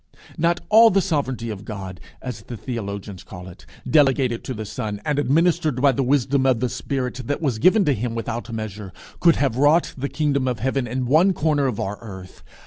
Not all the sovereignty of God, as the theologians call it, delegated to the Son, and administered by the wisdom of the Spirit that was given to him without measure, could have wrought the kingdom of heaven in one corner of our earth.